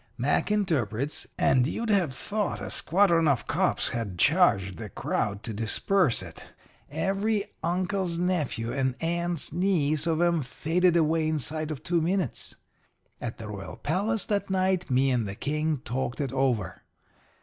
"Mac interprets, and you'd have thought a squadron of cops had charged the crowd to disperse it. Every uncle's nephew and aunt's niece of 'em faded away inside of two minutes. "At the royal palace that night me and the King talked it over.